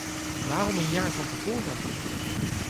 Waarom een jaar van te voren?